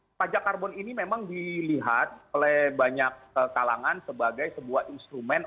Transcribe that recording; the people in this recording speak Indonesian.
nah pajak karbon ini memang dilihat oleh banyak kalangan sebagai sebuah instrumen